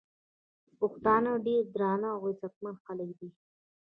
پښتانه ډير درانه او عزتمن خلک دي